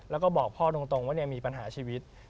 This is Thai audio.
แล้วก็บอกพ่อตรงว่ามีปัญหาชีวิต